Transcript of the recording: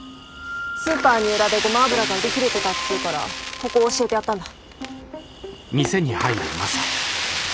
スーパー二浦でゴマ油が売り切れてたっつうからここ教えてやったんだ。